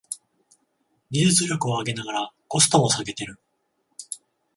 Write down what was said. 技術力を上げながらコストも下げてる